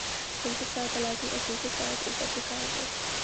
پنځه ساعته لازم او پنځه ساعته اضافي کار دی